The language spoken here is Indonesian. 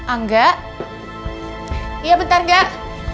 angga iya bentar gak